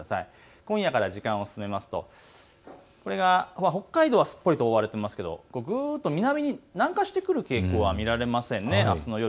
今夜から時間を進めますとこれが北海道はすっぽりと覆われていますが南に南下してくる傾向は見られません。